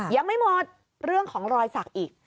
ยังไม่หมดเรื่องของรอยสักอีก